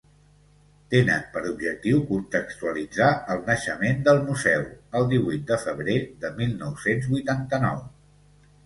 Tenen per objectiu contextualitzar el naixement del museu, el divuit de febrer de mil nou-cents vuitanta-nou.